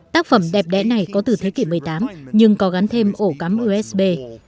tác phẩm đẹp đẽ này có từ thế kỷ một mươi tám nhưng có gắn thêm ổ cắm usb